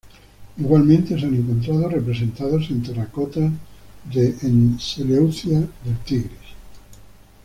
Igualmente se han encontrado representados en terracotas de Seleucia del Tigris.